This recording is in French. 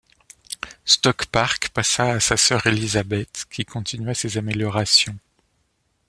Stoke Park passa à sa soeur Elizabeth, qui continua ses améliorations.